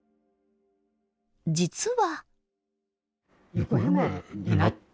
実は。